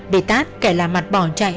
để tát kẻ làm mặt bỏ chạy